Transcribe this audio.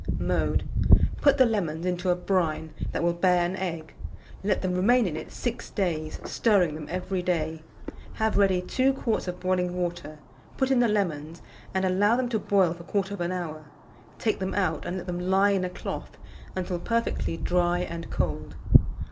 Mode. Put the lemons into a brine that will bear an egg; let them remain in it 6 days, stirring them every day; have ready 2 quarts of boiling water, put in the lemons, and allow them to boil for 1/4 hour; take them out, and let them lie in a cloth until perfectly dry and cold.